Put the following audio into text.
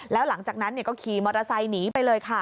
แล้วหลังจากนั้นก็ขี่มอเตอร์ไซค์หนีไปเลยค่ะ